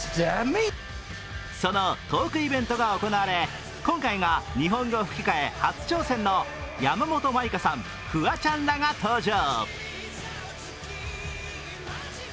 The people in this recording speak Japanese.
そのトークイベントが行われ、今回が日本語吹き替え初挑戦の山本舞香さん、フワちゃんらが登場。